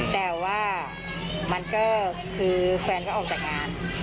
แต่ว่ามันก็คือแฟนก็ออกจากงาน